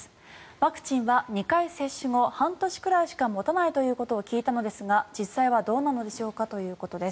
ワクチンは２回接種後半年くらいしか持たないということを聞いたのですが実際はどうなのでしょうかということです。